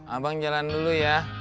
abang jalan dulu ya